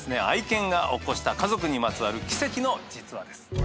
愛犬が起こした家族にまつわる奇跡の実話です。